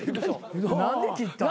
何で切ったん？